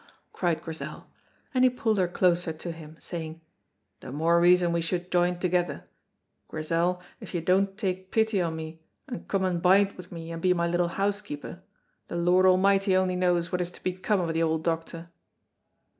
cried Grizel, and he pulled her closer to him, saying, "The more reason we should join thegither; Grizel, if you don't take pity on me, and come and bide with me and be my little housekeeper, the Lord Almighty only knows what is to become of the old doctor."